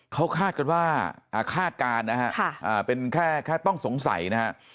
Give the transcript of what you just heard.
เขาคาดกันว่าคาดการณ์นะฮะเป็นแค่ต้องสงสัยนะฮะ